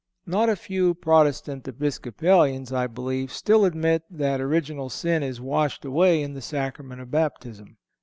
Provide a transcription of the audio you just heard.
Not a few Protestant Episcopalians, I believe, still admit that original sin is washed away in the Sacrament of Baptism.